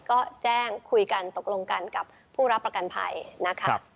ก็แจ้งคุยกันตกลงกันกับผู้รับประกันภัยนะคะ